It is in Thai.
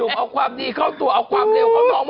ดูเอาความดีข้อตัวบ้านอีก